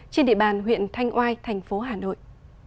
trên địa bàn huyện thanh oai thành phố hà nội